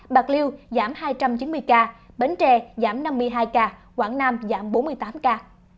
bạc liêu giảm hai trăm chín mươi ca bến tre giảm năm mươi hai ca quảng nam giảm bốn mươi tám ca